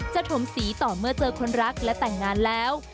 ถมสีต่อเมื่อเจอคนรักและแต่งงานแล้ว